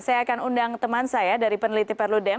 saya akan undang teman saya dari peneliti perludem